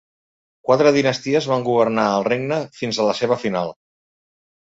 Quatre dinasties van governar el regne fins a la seva final.